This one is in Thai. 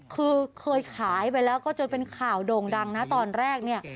คือเคยขายไปแล้วก็จนเป็นข่าวโด่งดังนะตอนแรกเนี่ย